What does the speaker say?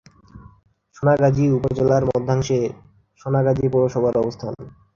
সোনাগাজী উপজেলার মধ্যাংশে সোনাগাজী পৌরসভার অবস্থান।